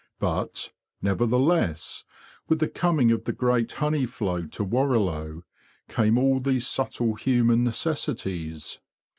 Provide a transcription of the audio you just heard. But, nevertheless, with the coming of the great honey flow to Warrilow came all these subtle human necessities.